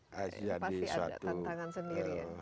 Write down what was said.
pasti ada tantangan sendiri